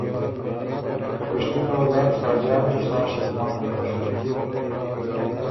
که پِشتِنه وه داک ساجان ګه سا ݭکمن غندک ݭیوک